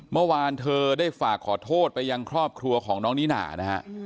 เมื่อวานเธอได้ฝากขอโทษไปยังครอบครัวของน้องนิน่านะฮะ